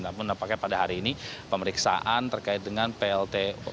namun nampaknya pada hari ini pemeriksaan terkait dengan pltu